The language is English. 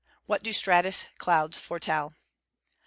_What do stratus clouds foretell?